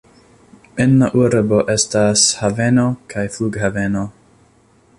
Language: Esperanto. En la urbo estas haveno kaj flughaveno.